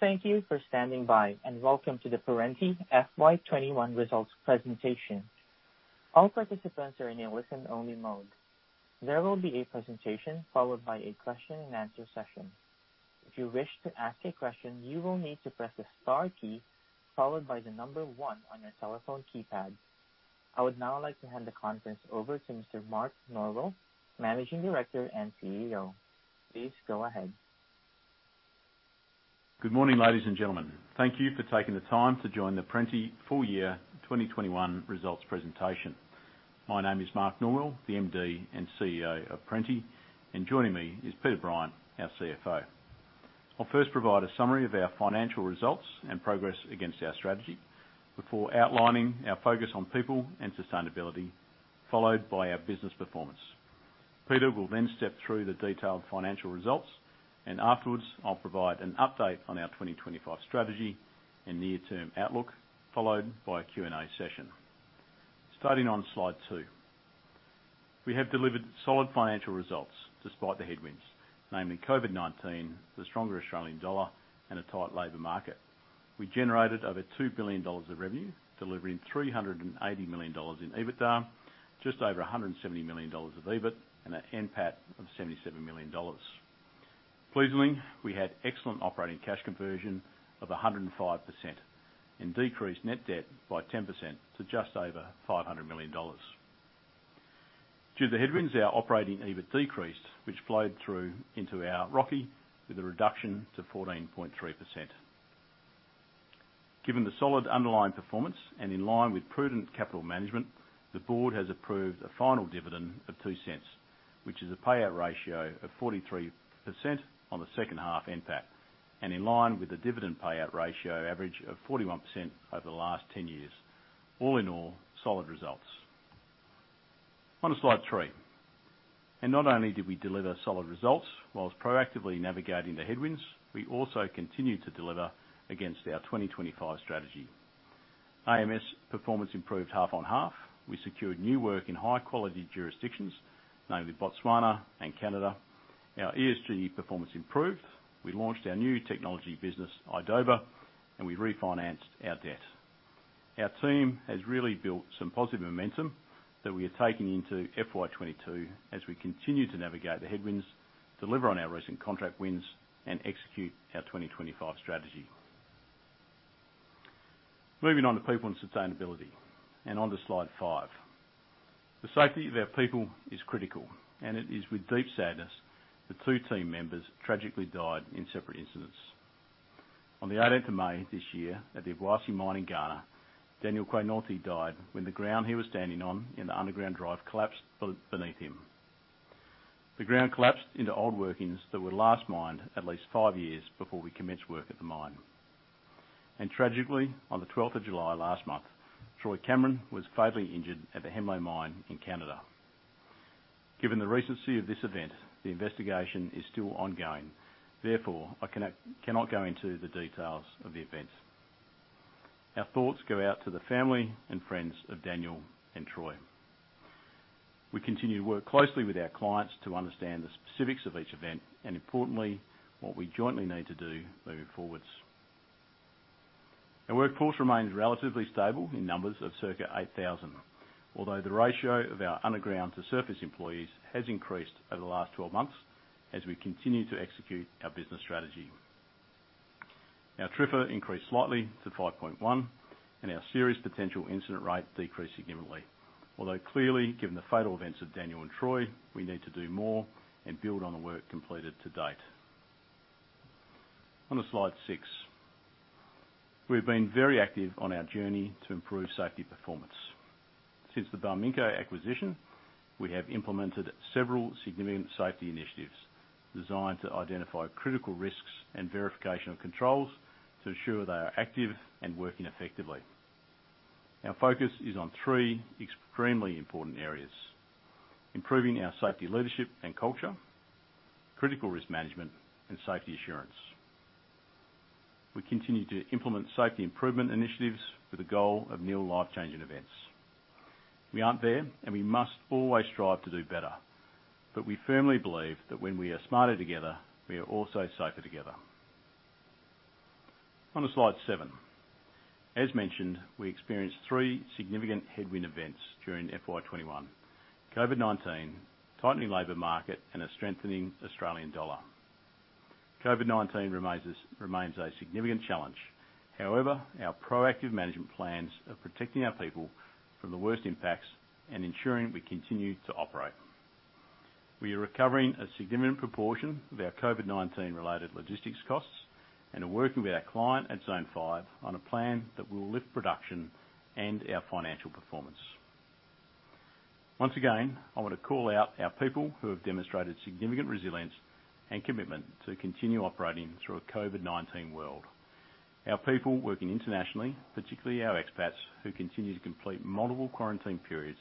Thank you for standing by, and welcome to the Perenti FY21 Results Presentation. All participants are in a listen-only mode. There will be a presentation followed by a question-and-answer session. If you wish to ask a question, you will need to press the star key followed by the number one on your telephone keypad. I would now like to hand the conference over to Mr. Mark Norwell, Managing Director and CEO. Please go ahead. Good morning, ladies and gentlemen. Thank you for taking the time to join the Perenti full-year 2021 results presentation. My name is Mark Norwell, the MD and CEO of Perenti. Joining me is Peter Bryant, our CFO. I'll first provide a summary of our financial results and progress against our strategy before outlining our focus on people and sustainability, followed by our business performance. Peter will step through the detailed financial results. Afterwards, I'll provide an update on our 2025 strategy and near-term outlook, followed by a Q&A session. Starting on slide two. We have delivered solid financial results despite the headwinds, namely COVID-19, the stronger Australian dollar, and a tight labor market. We generated over 2 billion dollars of revenue, delivering 380 million dollars in EBITDA, just over 170 million dollars of EBIT and a NPAT of 77 million dollars. Pleasingly, we had excellent operating cash conversion of 105% and decreased net debt by 10% to just over 500 million dollars. Due to the headwinds, our operating EBIT decreased, which flowed through into our ROCE with a reduction to 14.3%. Given the solid underlying performance and in line with prudent capital management, the board has approved a final dividend of 0.02, which is a payout ratio of 43% on the H2 NPAT and in line with the dividend payout ratio average of 41% over the last 10 years. All in all, solid results. On to slide three. Not only did we deliver solid results whilst proactively navigating the headwinds, we also continued to deliver against our 2025 strategy. AMS performance improved half-on-half. We secured new work in high-quality jurisdictions, namely Botswana and Canada. Our ESG performance improved. We launched our new technology business, idoba, and we refinanced our debt. Our team has really built some positive momentum that we are taking into FY22 as we continue to navigate the headwinds, deliver on our recent contract wins and execute our 2025 strategy. Moving on to people and sustainability, on to slide five. The safety of our people is critical, and it is with deep sadness that two team members tragically died in separate incidents. On the May 18th this year at the Obuasi mine in Ghana, Daniel Quainoo died when the ground he was standing on in the underground drive collapsed beneath him. The ground collapsed into old workings that were last mined at least five years before we commenced work at the mine. Tragically, on the July 12th last month, Troy Cameron was fatally injured at the Hemlo mine in Canada. Given the recency of this event, the investigation is still ongoing, therefore, I cannot go into the details of the events. Our thoughts go out to the family and friends of Daniel and Troy. We continue to work closely with our clients to understand the specifics of each event and importantly, what we jointly need to do moving forwards. Our workforce remains relatively stable in numbers of circa 8,000. The ratio of our underground to surface employees has increased over the last 12 months as we continue to execute our business strategy. Our TRIFR increased slightly to 5.1 and our serious potential incident rate decreased significantly. Clearly, given the fatal events of Daniel and Troy, we need to do more and build on the work completed to-date. On to slide six. We've been very active on our journey to improve safety performance. Since the Barminco acquisition, we have implemented several significant safety initiatives designed to identify critical risks and verification of controls to ensure they are active and working effectively. Our focus is on three extremely important areas: improving our safety leadership and culture, critical risk management, and safety assurance. We continue to implement safety improvement initiatives with the goal of nil life-changing events. We aren't there and we must always strive to do better. We firmly believe that when we are smarter together, we are also safer together. On to slide seven. As mentioned, we experienced three significant headwind events during FY 2021: COVID-19, tightening labor market, and a strengthening Australian dollar. COVID-19 remains a significant challenge. However, our proactive management plans are protecting our people from the worst impacts and ensuring we continue to operate. We are recovering a significant proportion of our COVID-19 related logistics costs and are working with our client at Zone 5 on a plan that will lift production and our financial performance. Once again, I want to call out our people who have demonstrated significant resilience and commitment to continue operating through a COVID-19 world. Our people working internationally, particularly our expats, who continue to complete multiple quarantine periods,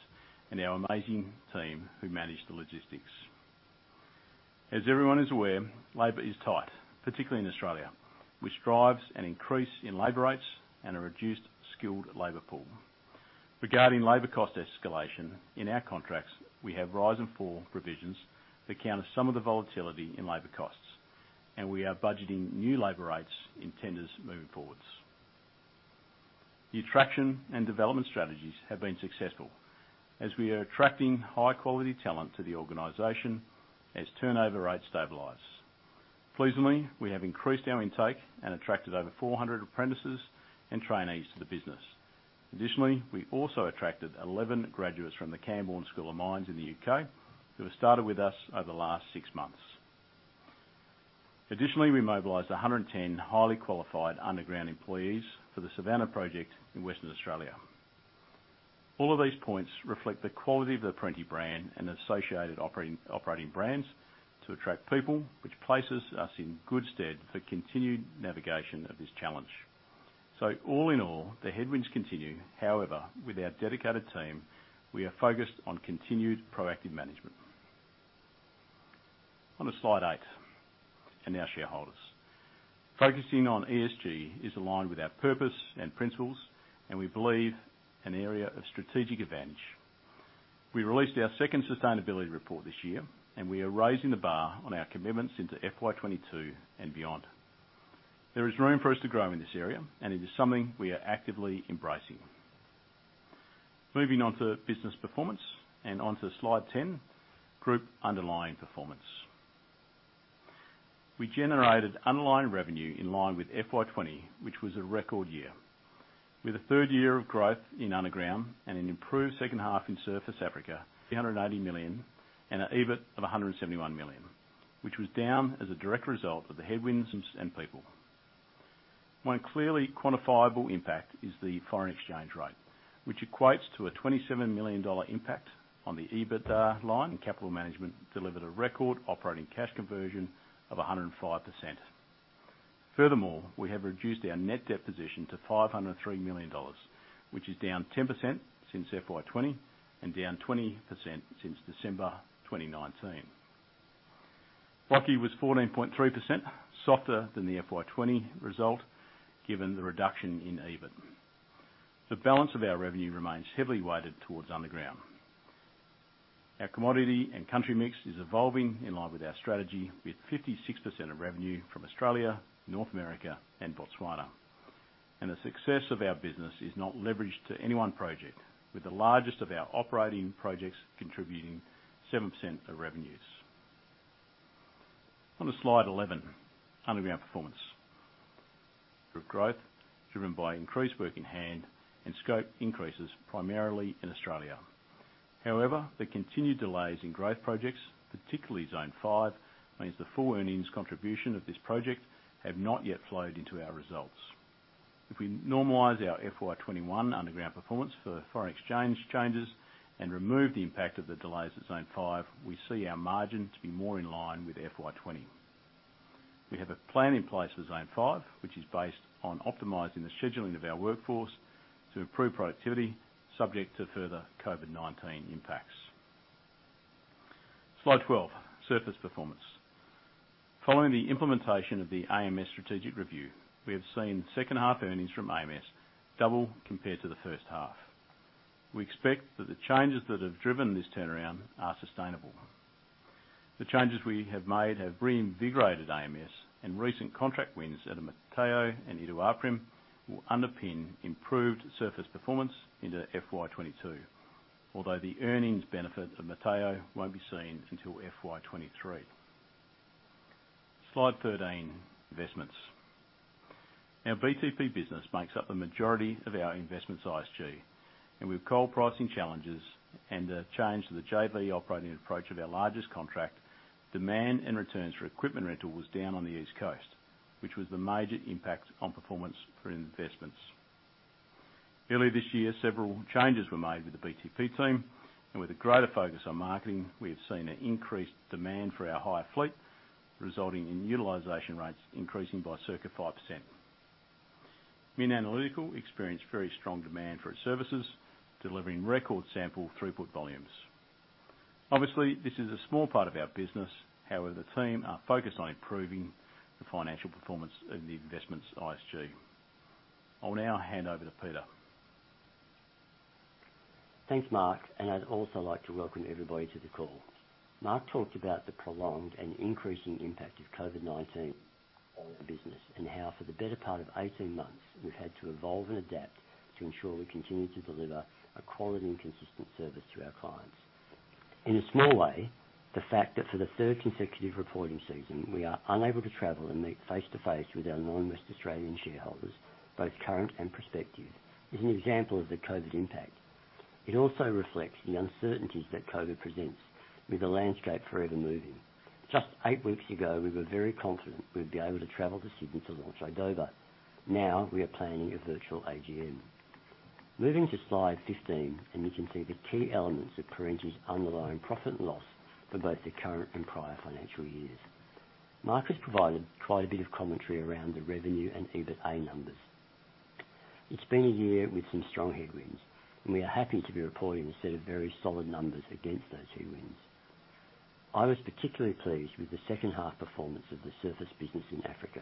and our amazing team who manage the logistics. As everyone is aware, labor is tight, particularly in Australia, which drives an increase in labor rates and a reduced skilled labor pool. Regarding labor cost escalation in our contracts, we have rise and fall provisions that counter some of the volatility in labor costs, and we are budgeting new labor rates in tenders moving forwards. The attraction and development strategies have been successful as we are attracting high-quality talent to the organization as turnover rates stabilize. Pleasingly, we have increased our intake and attracted over 400 apprentices and trainees to the business. We also attracted 11 graduates from the Camborne School of Mines in the U.K. who have started with us over the last six months. We mobilized 110 highly qualified underground employees for the Savannah project in Western Australia. All of these points reflect the quality of the Perenti brand and the associated operating brands to attract people, which places us in good stead for continued navigation of this challenge. All in all, the headwinds continue. However, with our dedicated team, we are focused on continued proactive management. On to Slide eight and our shareholders. Focusing on ESG is aligned with our purpose and principles, and we believe an area of strategic advantage. We released our second sustainability report this year, and we are raising the bar on our commitments into FY22 and beyond. There is room for us to grow in this area, and it is something we are actively embracing. Moving on to business performance and on to Slide 10, group underlying performance. We generated underlying revenue in line with FY20, which was a record year. With a third year of growth in underground and an improved H2 in Surface Africa, 380 million and an EBIT of 171 million, which was down as a direct result of the headwinds and people. One clearly quantifiable impact is the foreign exchange rate, which equates to a 27 million dollar impact on the EBITDA line. Capital management delivered a record operating cash conversion of 105%. Furthermore, we have reduced our net debt position to AUD 503 million, which is down 10% since FY20 and down 20% since December 2019. ROCE was 14.3% softer than the FY20 result given the reduction in EBIT. The balance of our revenue remains heavily weighted towards underground. Our commodity and country mix is evolving in line with our strategy, with 56% of revenue from Australia, North America and Botswana. The success of our business is not leveraged to any one project, with the largest of our operating projects contributing 7% of revenues. On to Slide 11, underground performance. For growth driven by increased work in hand and scope increases primarily in Australia. However, the continued delays in growth projects, particularly Zone 5, means the full earnings contribution of this project have not yet flowed into our results. If we normalize our FY21 underground performance for foreign exchange changes and remove the impact of the delays at Zone 5, we see our margin to be more in line with FY20. We have a plan in place for Zone 5, which is based on optimizing the scheduling of our workforce to improve productivity subject to further COVID-19 impacts. Slide 12, surface performance. Following the implementation of the AMS strategic review, we have seen H2 earnings from AMS double compared to the H1. We expect that the changes that have driven this turnaround are sustainable. The changes we have made have reinvigorated AMS and recent contract wins at the Motheo and Iduapriem will underpin improved surface performance into FY22. Although the earnings benefit of Motheo won't be seen until FY23. Slide 13, investments. Our BTP business makes up the majority of our investments ISG, and with coal pricing challenges and the change to the JV operating approach of our largest contract, demand and returns for equipment rental was down on the East Coast, which was the major impact on performance for investments. Early this year, several changes were made with the BTP team, and with a greater focus on marketing, we have seen an increased demand for our hire fleet, resulting in utilization rates increasing by circa 5%. MinAnalytical experienced very strong demand for its services, delivering record sample throughput volumes. Obviously, this is a small part of our business. However, the team are focused on improving the financial performance of the investments ISG. I'll now hand over to Peter. Thanks, Mark. I'd also like to welcome everybody to the call. Mark talked about the prolonged and increasing impact of COVID-19 on our business and how for the better part of 18 months, we've had to evolve and adapt to ensure we continue to deliver a quality and consistent service to our clients. In a small way, the fact that for the third consecutive reporting season, we are unable to travel and meet face-to-face with our enormous Australian shareholders, both current and prospective, is an example of the COVID impact. It also reflects the uncertainties that COVID presents with the landscape forever moving. Just eight weeks ago, we were very confident we'd be able to travel to Sydney to launch idoba. Now we are planning a virtual AGM. Moving to Slide 15, and you can see the key elements of Perenti's underlying profit and loss for both the current and prior financial years. Mark has provided quite a bit of commentary around the revenue and EBITDA numbers. It's been a year with some strong headwinds. I was particularly pleased with the H2 performance of the Surface business in Africa.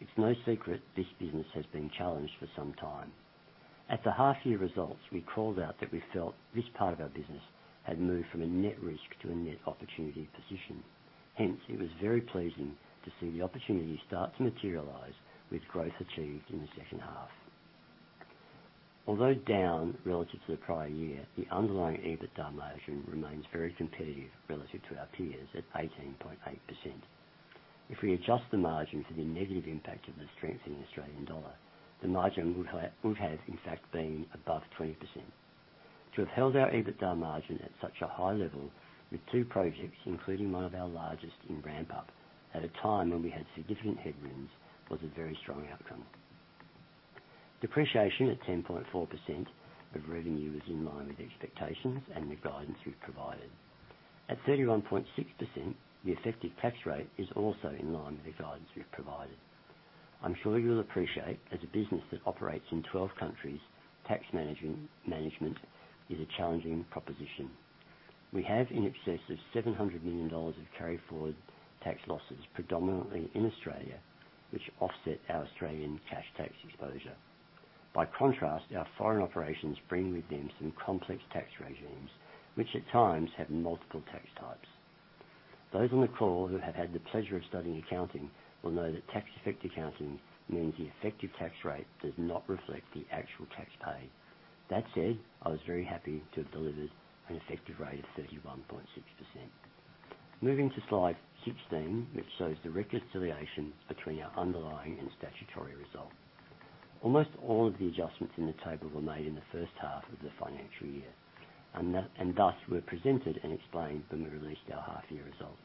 It's no secret this business has been challenged for some time. At the half year results, we called out that we felt this part of our business had moved from a net risk to a net opportunity position. Hence, it was very pleasing to see the opportunity start to materialize with growth achieved in the H2. Although down relative to the prior year, the underlying EBITDA margin remains very competitive relative to our peers at 18.8%. If we adjust the margin for the negative impact of the strengthening Australian dollar, the margin would have, in fact, been above 20%. To have held our EBITDA margin at such a high level with two projects, including one of our largest in ramp up, at a time when we had significant headwinds, was a very strong outcome. Depreciation at 10.4% of revenue is in line with expectations and the guidance we've provided. At 31.6%, the effective tax rate is also in line with the guidance we've provided. I'm sure you'll appreciate, as a business that operates in 12 countries, tax management is a challenging proposition. We have in excess of 700 million dollars of carry forward tax losses, predominantly in Australia, which offset our Australian cash tax exposure. By contrast, our foreign operations bring with them some complex tax regimes, which at times have multiple tax types. Those on the call who have had the pleasure of studying accounting will know that tax effect accounting means the effective tax rate does not reflect the actual tax paid. That said, I was very happy to have delivered an effective rate of 31.6%. Moving to slide 16, which shows the reconciliation between our underlying and statutory result. Almost all of the adjustments in the table were made in the H1 of the financial year, and thus were presented and explained when we released our half year results.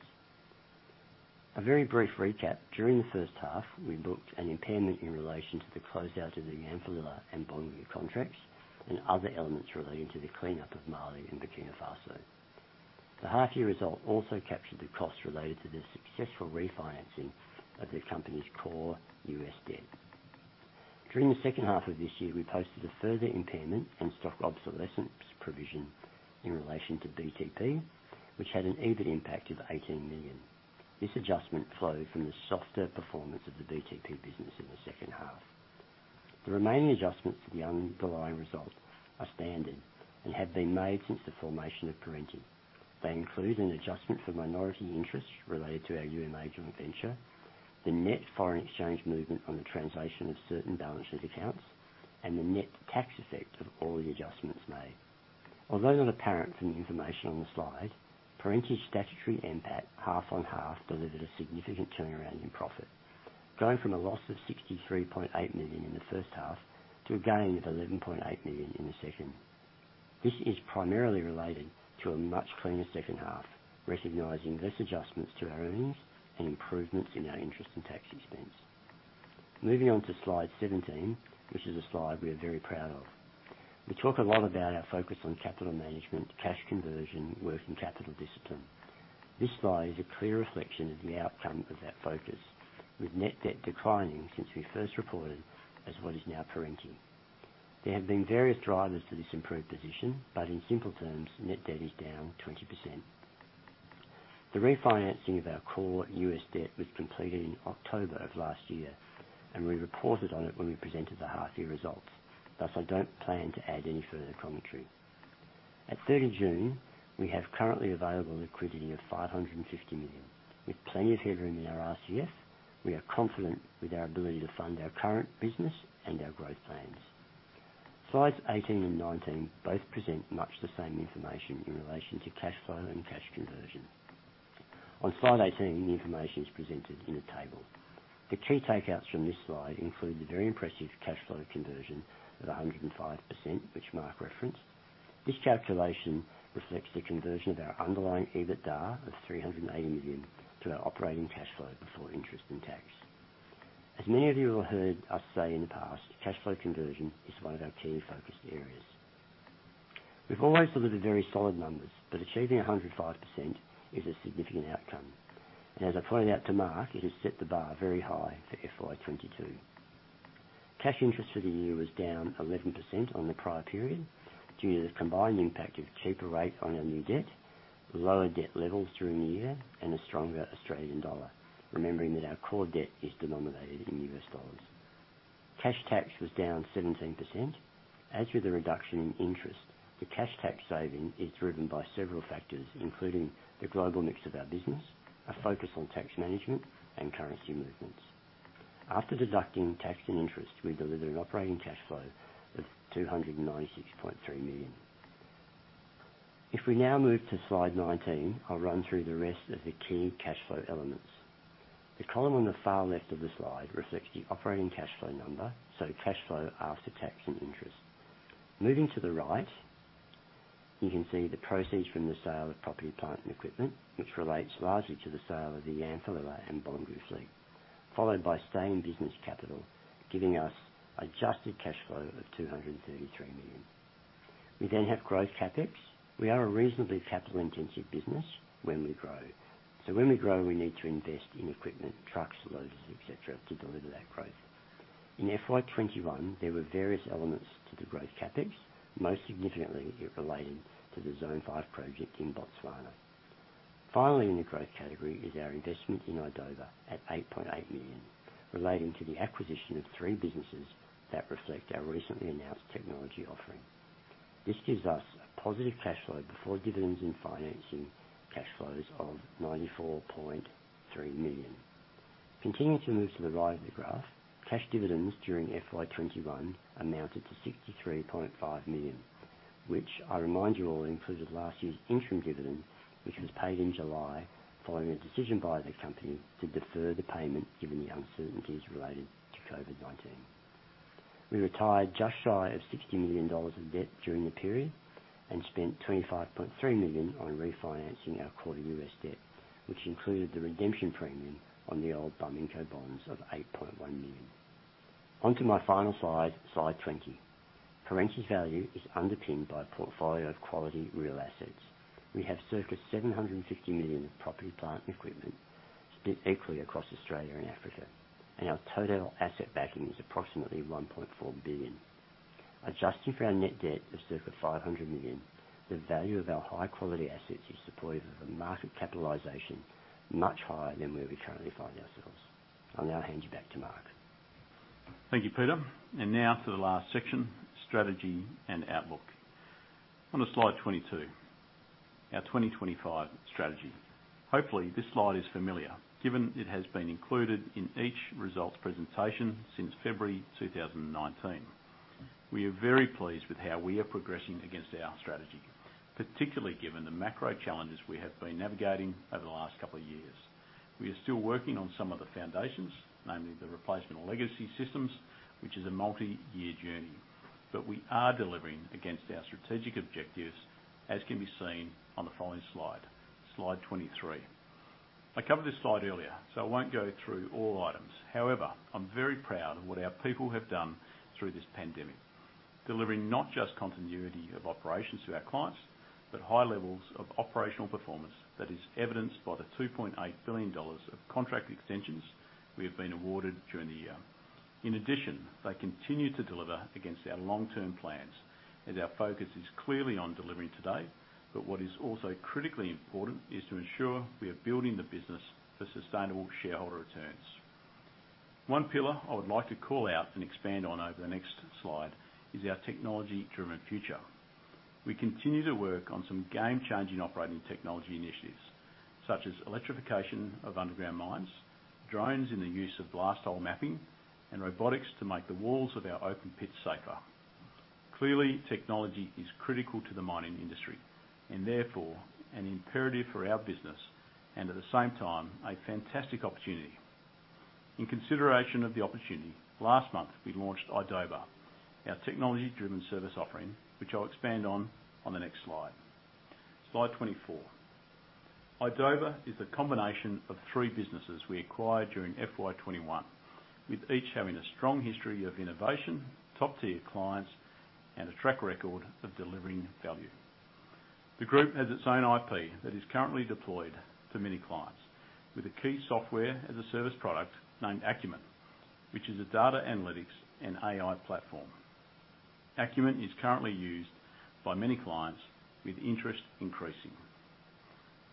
A very brief recap. During the H1, we booked an impairment in relation to the close out of the Yanfolila and Boungou contracts and other elements relating to the cleanup of Mali and Burkina Faso. The half year result also captured the cost related to the successful refinancing of the company's core U.S. debt. During the H2 of this year, we posted a further impairment and stock obsolescence provision in relation to BTP, which had an EBIT impact of 18 million. This adjustment flowed from the softer performance of the BTP business in the H2. The remaining adjustments to the underlying result are standard and have been made since the formation of Perenti. They include an adjustment for minority interests related to our UMA joint venture, the net foreign exchange movement on the translation of certain balances accounts, and the net tax effect of all the adjustments made. Although not apparent from the information on the slide, Perenti statutory NPAT half-on-half delivered a significant turnaround in profit, going from a loss of 63.8 million in the H1 to a gain of 11.8 million in the second. This is primarily related to a much cleaner H2, recognizing less adjustments to our earnings and improvements in our interest and tax expense. Moving on to slide 17, which is a slide we are very proud of. We talk a lot about our focus on capital management, cash conversion, working capital discipline. This slide is a clear reflection of the outcome of that focus. With net debt declining since we first reported as what is now Perenti. There have been various drivers to this improved position, but in simple terms, net debt is down 20%. The refinancing of our core U.S. debt was completed in October of last year, and we reported on it when we presented the half-year results. Thus, I don't plan to add any further commentary. At June 30, we have currently available liquidity of 550 million. With plenty of headroom in our RCF, we are confident with our ability to fund our current business and our growth plans. Slides 18 and 19 both present much the same information in relation to cash flow and cash conversion. On slide 18, the information is presented in a table. The key takeouts from this slide include the very impressive cash flow conversion of 105%, which Mark referenced. This calculation reflects the conversion of our underlying EBITDA of 380 million to our operating cash flow before interest and tax. As many of you will have heard us say in the past, cash flow conversion is one of our key focus areas. We've always delivered very solid numbers, but achieving 105% is a significant outcome. As I pointed out to Mark, it has set the bar very high for FY22. Cash interest for the year was down 11% on the prior period due to the combined impact of cheaper rate on our new debt, lower debt levels during the year, and a stronger Australian dollar, remembering that our core debt is denominated in U.S. dollars. Cash tax was down 17%. As with the reduction in interest, the cash tax saving is driven by several factors, including the global mix of our business, a focus on tax management, and currency movements. After deducting tax and interest, we delivered an operating cash flow of 296.3 million. If we now move to slide 19, I'll run through the rest of the key cash flow elements. The column on the far left of the slide reflects the operating cash flow number, so cash flow after tax and interest. Moving to the right, you can see the proceeds from the sale of property, plant, and equipment, which relates largely to the sale of the Yanfolila and Bongou fleet, followed by stay-in-business capital, giving us adjusted cash flow of 233 million. We have growth CapEx. We are a reasonably capital-intensive business when we grow. When we grow, we need to invest in equipment, trucks, loaders, et cetera, to deliver that growth. In FY 2021, there were various elements to the growth CapEx, most significantly related to the Zone 5 project in Botswana. Finally, in the growth category is our investment in idoba at 8.8 million, relating to the acquisition of three businesses that reflect our recently announced technology offering. This gives us a positive cash flow before dividends and financing cash flows of 94.3 million. Continuing to move to the right of the graph, cash dividends during FY21 amounted to 63.5 million, which I remind you all included last year's interim dividend, which was paid in July following a decision by the company to defer the payment given the uncertainties related to COVID-19. We retired just shy of 60 million dollars of debt during the period and spent 25.3 million on refinancing our quarter U.S. debt, which included the redemption premium on the old Barminco bonds of 8.1 million. On to my final slide 20. Perenti's value is underpinned by a portfolio of quality real assets. We have circa 750 million of property, plant, and equipment split equally across Australia and Africa, and our total asset backing is approximately 1.4 billion. Adjusting for our net debt of circa 500 million, the value of our high-quality assets is supportive of a market capitalization much higher than where we currently find ourselves. I'll now hand you back to Mark. Thank you, Peter. Now for the last section, strategy and outlook. On to slide 22, our 2025 strategy. Hopefully, this slide is familiar, given it has been included in each results presentation since February 2019. We are very pleased with how we are progressing against our strategy, particularly given the macro challenges we have been navigating over the last couple of years. We are still working on some of the foundations, namely the replacement of legacy systems, which is a multi-year journey. We are delivering against our strategic objectives, as can be seen on the following slide 23. I covered this slide earlier, I won't go through all items. However, I'm very proud of what our people have done through this pandemic. Delivering not just continuity of operations to our clients, but high levels of operational performance that is evidenced by the 2.8 billion dollars of contract extensions we have been awarded during the year. In addition, they continue to deliver against our long-term plans as our focus is clearly on delivering today, but what is also critically important is to ensure we are building the business for sustainable shareholder returns. One pillar I would like to call out and expand on over the next slide is our technology-driven future. We continue to work on some game-changing operating technology initiatives, such as electrification of underground mines, drones in the use of blast hole mapping, and robotics to make the walls of our open pits safer. Clearly, technology is critical to the mining industry and therefore an imperative for our business and at the same time, a fantastic opportunity. In consideration of the opportunity, last month we launched idoba, our technology-driven service offering, which I'll expand on the next slide. Slide 24. idoba is the combination of three businesses we acquired during FY21, with each having a strong history of innovation, top-tier clients, and a track record of delivering value. The group has its own IP that is currently deployed to many clients with a key software as a service product named Akumen, which is a data analytics and AI platform. Akumen is currently used by many clients, with interest increasing.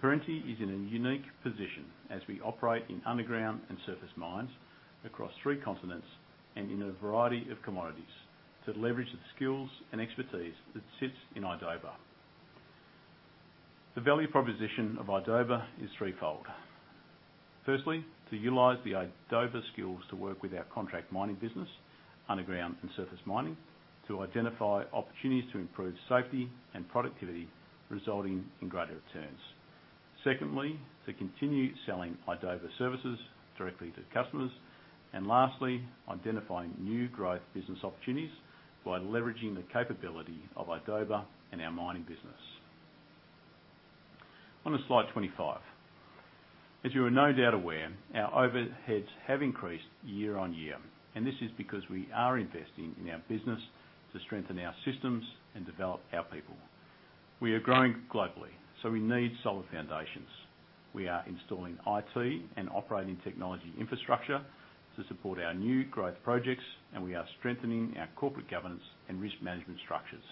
Perenti is in a unique position as we operate in underground and surface mines across three continents and in a variety of commodities to leverage the skills and expertise that sits in idoba. The value proposition of idoba is threefold. Firstly, to utilize the idoba skills to work with our contract mining business, underground and surface mining, to identify opportunities to improve safety and productivity, resulting in greater returns. Secondly, to continue selling idoba services directly to customers. Lastly, identifying new growth business opportunities by leveraging the capability of idoba and our mining business. On to slide 25. As you are no doubt aware, our overheads have increased year-on-year, and this is because we are investing in our business to strengthen our systems and develop our people. We are growing globally, so we need solid foundations. We are installing IT and operating technology infrastructure to support our new growth projects, and we are strengthening our corporate governance and risk management structures.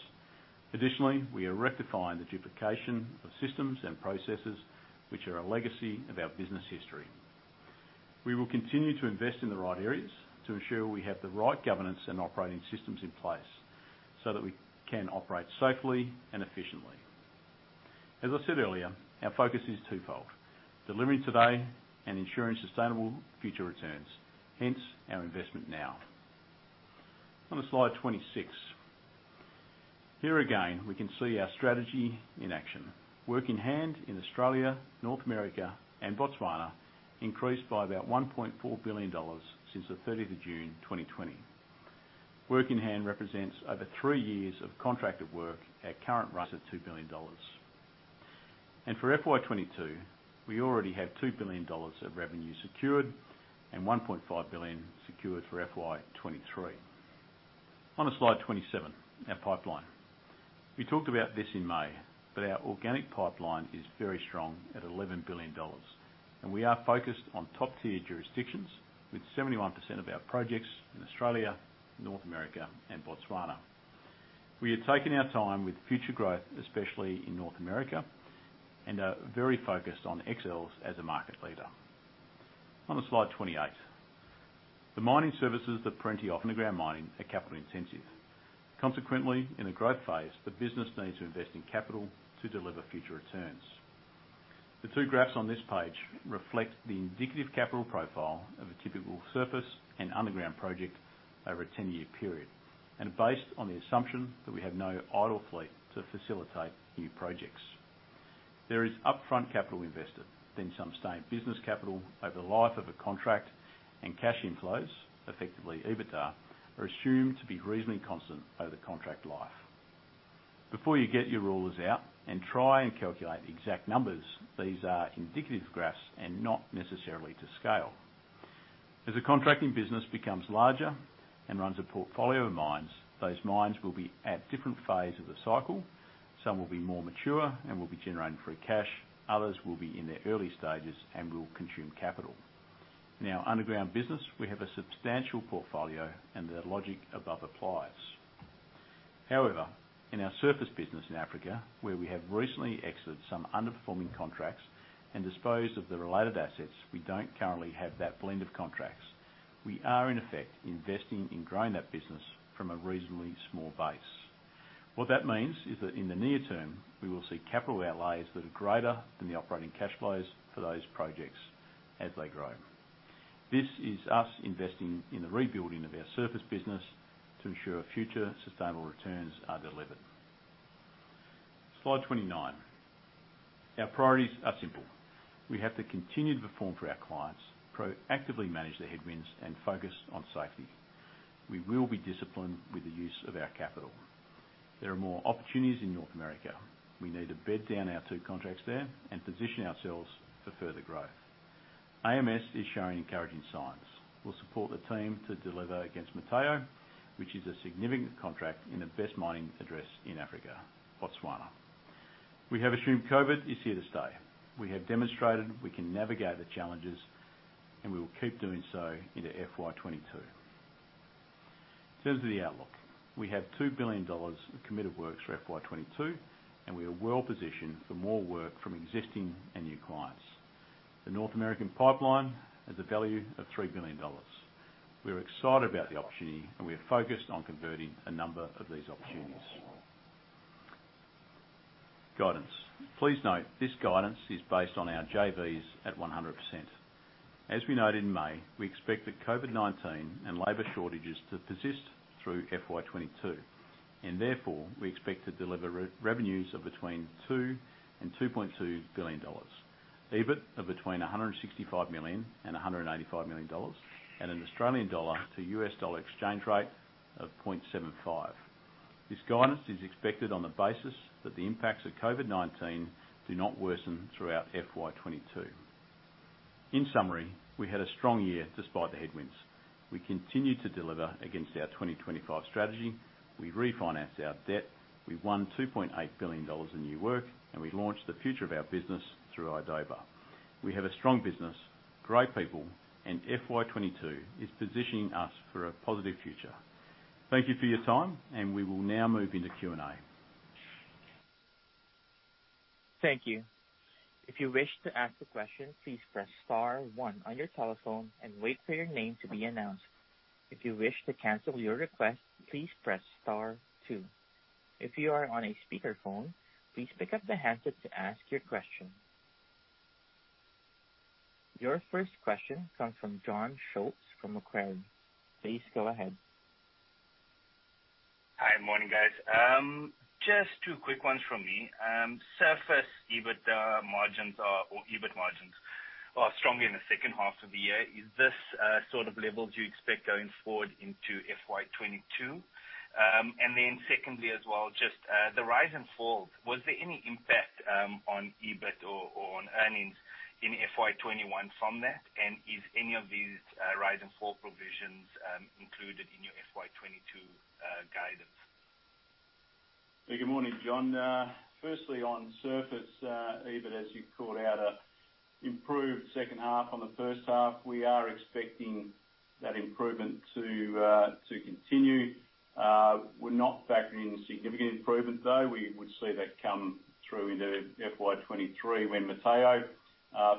Additionally, we are rectifying the duplication of systems and processes, which are a legacy of our business history. We will continue to invest in the right areas to ensure we have the right governance and operating systems in place so that we can operate safely and efficiently. As I said earlier, our focus is twofold: delivering today and ensuring sustainable future returns. Hence, our investment now. On to slide 26. Here again, we can see our strategy in action. Work in hand in Australia, North America, and Botswana increased by about 1.4 billion dollars since the June 30, 2020. Work in hand represents over three years of contracted work at current run at 2 billion dollars. For FY 2022, we already have 2 billion dollars of revenue secured and 1.5 billion secured for FY 2023. On to slide 27, our pipeline. We talked about this in May. Our organic pipeline is very strong at 11 billion dollars, and we are focused on top-tier jurisdictions with 71% of our projects in Australia, North America, and Botswana. We are taking our time with future growth, especially in North America, and are very focused on excellence as a market leader. On to slide 28. The mining services that Perenti offer in underground mining are capital intensive. Consequently, in a growth phase, the business needs to invest in capital to deliver future returns. The two graphs on this page reflect the indicative capital profile of a typical surface and underground project over a 10-year period, and based on the assumption that we have no idle fleet to facilitate new projects. There is upfront capital invested, then some state business capital over the life of a contract, and cash inflows, effectively, EBITDA, are assumed to be reasonably constant over the contract life. Before you get your rulers out and try and calculate the exact numbers, these are indicative graphs and not necessarily to scale. As a contracting business becomes larger and runs a portfolio of mines, those mines will be at different phase of the cycle. Some will be more mature and will be generating free cash, others will be in their early stages and will consume capital. In our underground business, we have a substantial portfolio and the logic above applies. In our surface business in Africa, where we have recently exited some underperforming contracts and disposed of the related assets, we don't currently have that blend of contracts. We are in effect investing in growing that business from a reasonably small base. What that means is that in the near term, we will see capital outlays that are greater than the operating cash flows for those projects as they grow. This is us investing in the rebuilding of our surface business to ensure future sustainable returns are delivered. Slide 29. Our priorities are simple. We have to continue to perform for our clients, proactively manage the headwinds, and focus on safety. We will be disciplined with the use of our capital. There are more opportunities in North America. We need to bed down our two contracts there and position ourselves for further growth. AMS is showing encouraging signs. We'll support the team to deliver against Motheo, which is a significant contract in the best mining address in Africa, Botswana. We have assumed COVID is here to stay. We have demonstrated we can navigate the challenges, and we will keep doing so into FY 2022. In terms of the outlook, we have 2 billion dollars of committed works for FY 2022, and we are well-positioned for more work from existing and new clients. The North American pipeline has a value of 3 billion dollars. We are excited about the opportunity, and we are focused on converting a number of these opportunities. Guidance. Please note, this guidance is based on our JVs at 100%. As we noted in May, we expect that COVID-19 and labor shortages to persist through FY 2022, and therefore, we expect to deliver revenues of between 2 billion and 2.2 billion dollars. EBIT of between 165 million and 185 million dollars, and an Australian dollar to US dollar exchange rate of 0.75. This guidance is expected on the basis that the impacts of COVID-19 do not worsen throughout FY 2022. In summary, we had a strong year despite the headwinds. We continued to deliver against our 2025 strategy. We refinanced our debt. We won 2.8 billion dollars in new work. We launched the future of our business through idoba. We have a strong business, great people. FY 2022 is positioning us for a positive future. Thank you for your time. We will now move into Q&A. Thank you. If you wish to ask a question, please press star one on your telephone and wait for your name to be announced. If you wish to counsel your request, please press star two. If you are on a speakerphone, please pickup the handset to ask your question. Your first question comes from John Szucs from Macquarie. Please go ahead. Hi, morning, guys. Just two quick ones from me. Surface EBIT margins are strongly in the H2 of the year. Is this sort of levels you expect going forward into FY22? Secondly as well, just the rise and fall. Was there any impact on EBIT or on earnings in FY21 from that? Is any of these rise and fall provisions included in your FY22 guidance? Good morning, John. Firstly, on surface EBIT, as you called out, improved H2. On the H1, we are expecting that improvement to continue. We're not factoring in significant improvement, though. We would see that come through into FY 2023 when Motheo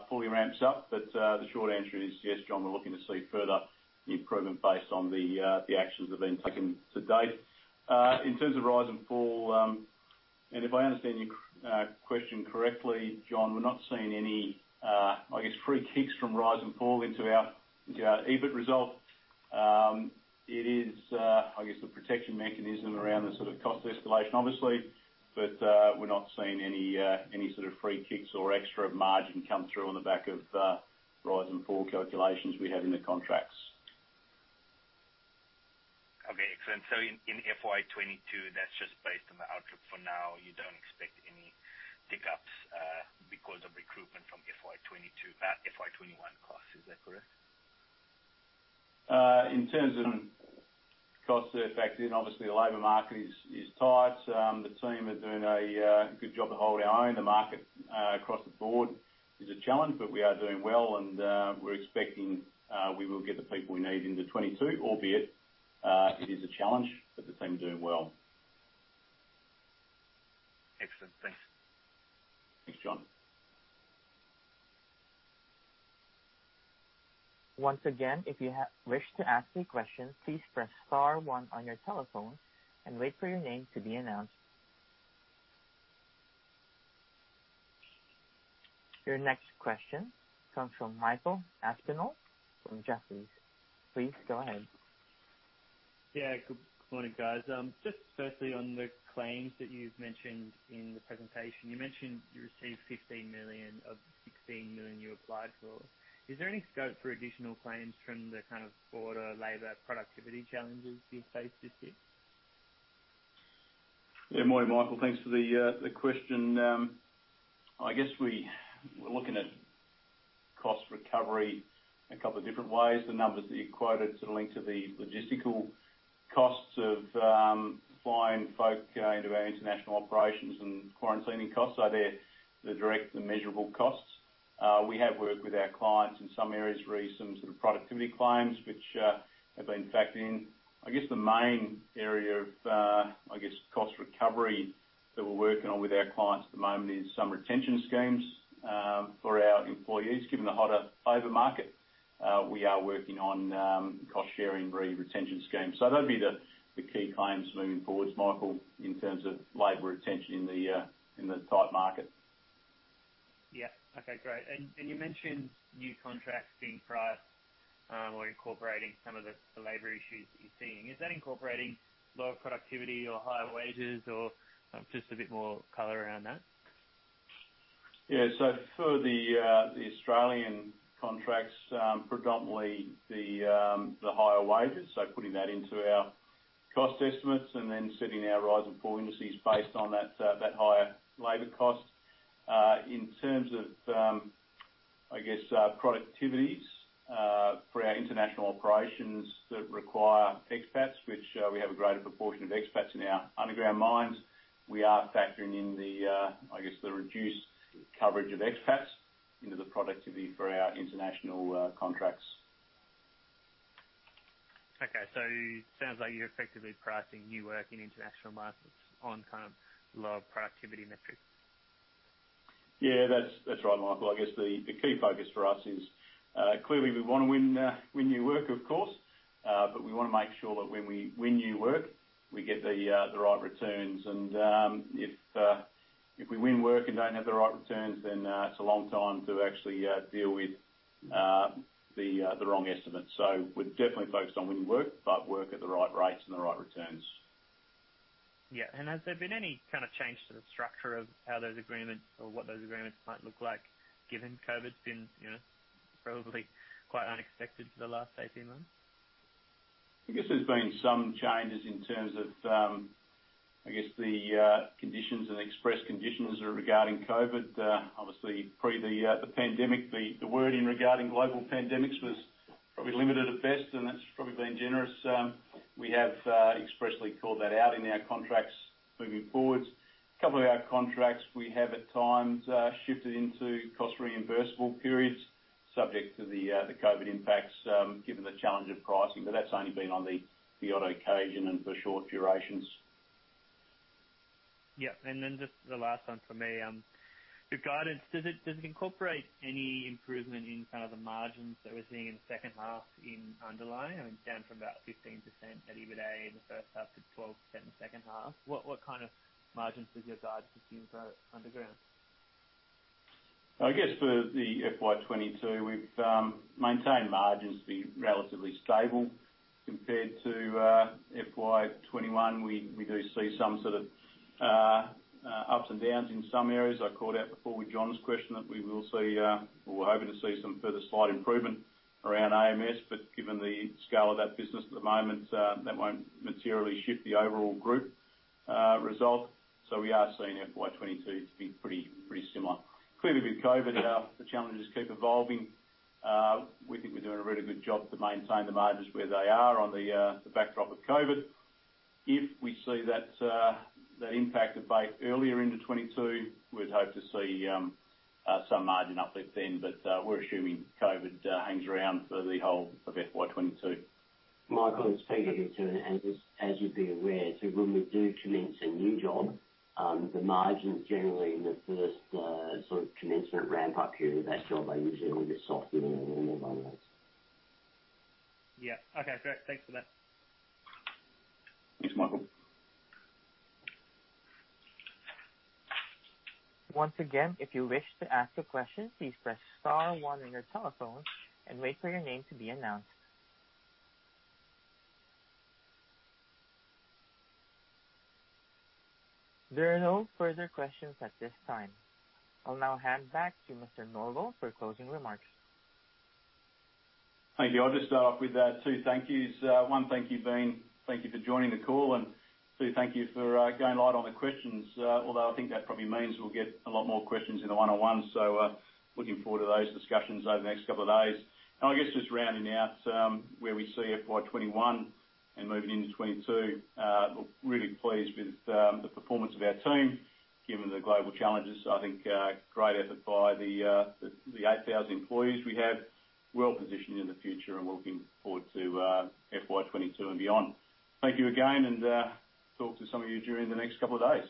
fully ramps up. The short answer is yes, John, we're looking to see further improvement based on the actions that have been taken to-date. In terms of rise and fall, and if I understand your question correctly, John, we're not seeing any free kicks from rise and fall into our EBIT result. It is the protection mechanism around the cost escalation, obviously. We're not seeing any sort of free kicks or extra margin come through on the back of rise and fall calculations we have in the contracts. Okay, excellent. In FY 2022, that's just based on the outlook for now. You don't expect any pickups, because of recruitment from FY 2022, FY 2021 costs. Is that correct? In terms of costs are factored in, obviously the labor market is tight. The team are doing a good job of holding our own. The market across the board is a challenge, but we are doing well, and we're expecting we will get the people we need into 2022, albeit, it is a challenge, but the team are doing well. Excellent. Thanks. Thanks, John. Once again, if you wish to ask any questions, please press star one on your telephone and wait for your name to be announced. Your next question comes from Michael Aspinall from Jefferies. Please go ahead. Good morning, guys. Just firstly on the claims that you've mentioned in the presentation, you mentioned you received 15 million of the 16 million you applied for. Is there any scope for additional claims from the kind of broader labor productivity challenges you faced this year? Morning, Michael. Thanks for the question. I guess we're looking at cost recovery in a couple of different ways. The numbers that you quoted sort of link to the logistical costs of flying folk into our international operations and quarantining costs, so they're the direct and measurable costs. We have worked with our clients in some areas, raised some sort of productivity claims, which have been factored in. I guess the main area of cost recovery that we're working on with our clients at the moment is some retention schemes for our employees. Given the hotter labor market, we are working on cost sharing re retention schemes. They'll be the key claims moving forward, Michael, in terms of labor retention in the tight market. Yeah. Okay, great. You mentioned new contracts being priced or incorporating some of the labor issues that you're seeing. Is that incorporating lower productivity or higher wages or just a bit more color around that? For the Australian contracts, predominantly the higher wages. Putting that into our cost estimates and then setting our rise and fall indices based on that higher labor cost. In terms of productivities, for our international operations that require expats, which we have a greater proportion of expats in our underground mines, we are factoring in the reduced coverage of expats into the productivity for our international contracts. Okay. Sounds like you're effectively pricing new work in international markets on kind of lower productivity metrics. Yeah. That's right, Michael. I guess the key focus for us is, clearly we want to win new work, of course. We want to make sure that when we win new work, we get the right returns. If we win work and don't have the right returns, then it's a long time to actually deal with the wrong estimates. We're definitely focused on winning work, but work at the right rates and the right returns. Yeah. Has there been any kind of change to the structure of how those agreements or what those agreements might look like given COVID's been probably quite unexpected for the last 18 months? I guess there's been some changes in terms of the conditions and express conditions regarding COVID. Pre the pandemic, the wording regarding global pandemics was probably limited at best, and that's probably being generous. We have expressly called that out in our contracts moving forwards. A couple of our contracts we have at times shifted into cost reimbursable periods subject to the COVID impacts, given the challenge of pricing, but that's only been on the odd occasion and for short durations. Yeah. Just the last one from me. The guidance, does it incorporate any improvement in kind of the margins that we're seeing in the H2 in underlying? I mean, down from about 15% EBITDA in the H1 to 12% in the H2, what kind of margins does your guide presume for underground? I guess for the FY2022, we've maintained margins to be relatively stable compared to FY2021. We do see some sort of ups and downs in some areas. I called out before with John's question that we will see, or we're hoping to see some further slight improvement around AMS, but given the scale of that business at the moment, that won't materially shift the overall group result. We are seeing FY2022 to be pretty similar. Clearly with COVID, the challenges keep evolving. We think we're doing a really good job to maintain the margins where they are on the backdrop of COVID. If we see that impact abate earlier into 2022, we'd hope to see some margin uplift then. We're assuming COVID hangs around for the whole of FY2022. Michael, it's Peter here too. As you'd be aware, when we do commence a new job, the margins generally in the first sort of commencement ramp-up period of that job are usually a little bit softer than the run rates. Yeah. Okay, great. Thanks for that. Thanks, Michael. Once again, if you wish to ask a question, please press star one on your telephone and wait for your name to be announced. There are no further questions at this time. I'll now hand back to Mark Norwell for closing remarks. Thank you. I'll just start off with two thank yous. One thank you being thank you for joining the call, and two, thank you for going light on the questions. Although I think that probably means we'll get a lot more questions in the one-on-ones. Looking forward to those discussions over the next couple of days. I guess just rounding out where we see FY 2021 and moving into 2022, look, really pleased with the performance of our team, given the global challenges. I think, great effort by the 8,000 employees we have. Well-positioned in the future and looking forward to FY 2022 and beyond. Thank you again, and talk to some of you during the next couple of days.